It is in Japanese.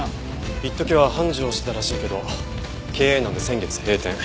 いっときは繁盛してたらしいけど経営難で先月閉店。